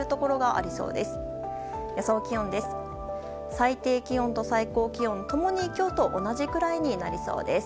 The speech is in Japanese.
最低気温と最高気温共に今日と同じくらいになりそうです。